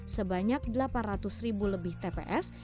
sebanyak delapan ratus ribu lebih tps